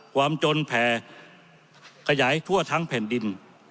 ความจนแผ่ขยายทั่วทั้งแผ่นดิน